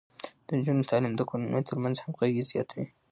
د نجونو تعليم د کورنيو ترمنځ همغږي زياتوي.